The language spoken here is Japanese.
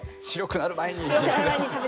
白くなる前に！